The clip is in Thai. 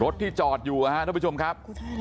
ที่จอดอยู่นะฮะต้องไปชมครับ